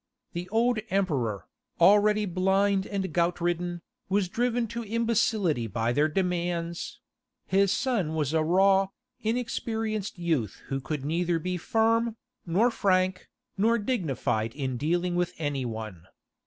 The old emperor, already blind and gout ridden, was driven to imbecility by their demands: his son was a raw, inexperienced youth who could neither be firm, nor frank, nor dignified in dealing with any one.